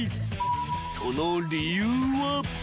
［その理由は］